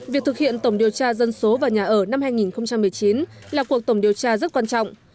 việc thực hiện tổng điều tra dân số và nhà ở năm hai nghìn một mươi chín là cuộc tổng điều tra rất quan trọng